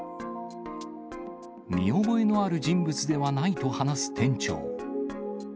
見覚えのある人物ではないと話す店長。